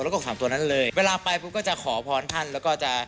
แล้วก็สามตัวนั้นเลยเวลาไปปุ๊บก็จะขอพรท่านแล้วก็จะ